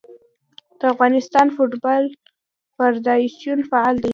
د افغانستان فوټبال فدراسیون فعال دی.